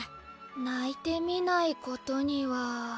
泣いてみないことには。